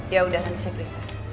ya udah langsung saya periksa